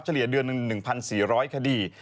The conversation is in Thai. เลียเดือน๑๔๐๐คดี